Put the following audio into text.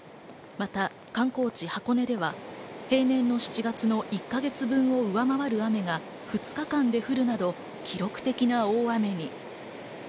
また観光地、箱根では平年の７月の１か月分を上回る雨が２日間で降るなど、記録的な大雨に。